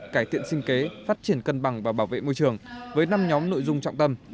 cải thiện sinh kế phát triển cân bằng và bảo vệ môi trường với năm nhóm nội dung trọng tâm